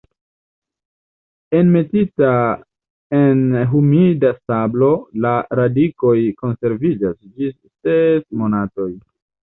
Enmetita en humida sablo la radikoj konserviĝas ĝis ses monatoj.